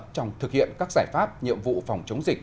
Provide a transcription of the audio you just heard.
trong thực hiện các giải pháp nhiệm vụ phòng chống dịch